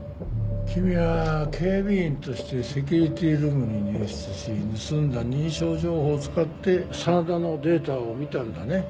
君は警備員としてセキュリティールームに入室し盗んだ認証情報を使って真田のデータを見たんだね。